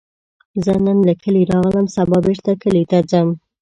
زه نن له کلي راغلم، سبا بیرته کلي ته ځم